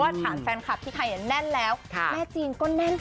แน่นแล้วแม่จีนก็แน่นพอกัน